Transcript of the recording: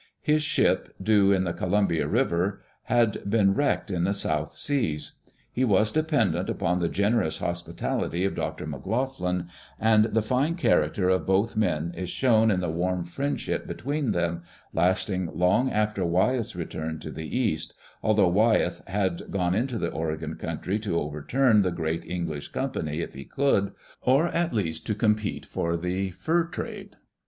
His ship, due in the Coliunbia River, had been wrecked in the South Seas. He was dependent upon the generous hospitality of Dr. McLoughlin, and the fine character of both men is shown in the warm friendship between them, lasting long after Wyeth's return to the East, although Wyeth had gone into the Oregon country to overturn the great English company if he could, or at least to compete for the fur trade.